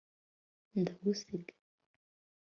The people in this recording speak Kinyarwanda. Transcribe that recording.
ndagusiga